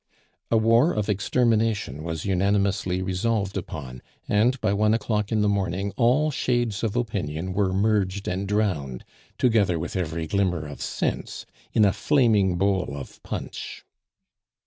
'" A war of extermination was unanimously resolved upon, and by one o'clock in the morning all shades of opinion were merged and drowned, together with every glimmer of sense, in a flaming bowl of punch.